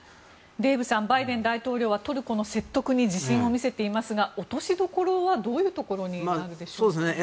デーブさんバイデン大統領はトルコの説得に自信を見せていますが落としどころはどういうところになるでしょうか。